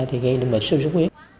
thì gây đến bệnh suốt huyết